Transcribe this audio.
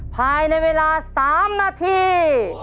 ภายในเวลา๓นาที